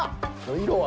色は。